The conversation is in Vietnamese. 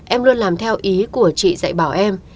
em luôn làm theo ý của chị dạy bảo em